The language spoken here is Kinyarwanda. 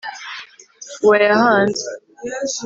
uwayahanze